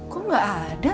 kok gak ada